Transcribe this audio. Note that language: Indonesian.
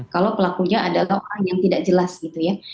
kalau pelakunya adalah orang yang tidak jelas gitu ya